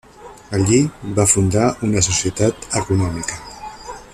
Allí va fundar una Societat Econòmica.